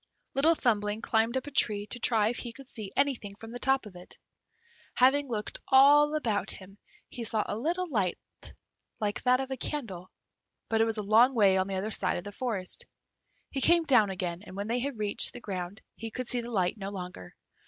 Little Thumbling climbed up a tree to try if he could see anything from the top of it. Having looked all about him, he saw a little light like that of a candle, but it was a long way on the other side of the forest. He came down again, and when he had reached the ground he could see the light no longer.